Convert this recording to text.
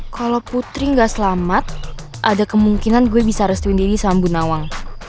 kalo putri gak selamat ada kemungkinan gue bisa restuin didi sama bu nawang